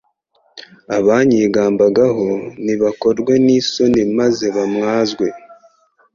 Abanyigambagaho nibakorwe n’isoni maze bamwazwe